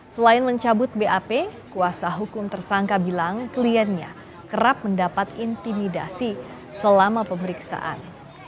selain mencabut bap kuasa hukum tersangka bilang kliennya kerap mendapat intimidasi selama pemeriksaan